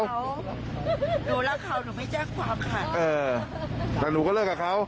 หนูรักเขาหนูไม่แจ้งความค่ะเออแต่หนูก็เลิกกับเขา